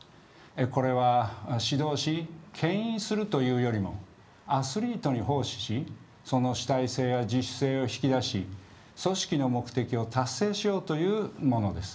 これは指導し牽引するというよりもアスリートに奉仕しその主体性や自主性を引き出し組織の目的を達成しようというものです。